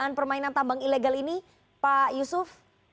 dan permainan tambang ilegal ini pak yusuf